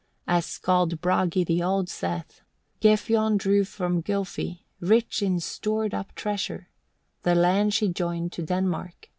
As Skald Bragi the Old saith: "Gefjon drew from Gylfi, Rich in stored up treasure, The land she joined to Denmark.